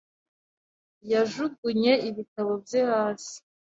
Yajugunye ibitabo bye hasi .